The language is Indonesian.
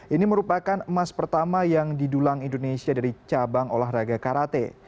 ini merupakan emas pertama yang didulang indonesia dari cabang olahraga karate